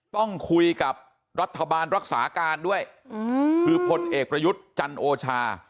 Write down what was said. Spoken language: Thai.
ต้องคุยกับรัฐบาลรักษาการด้วยคือพลเอกประยุทธ์จันโอชา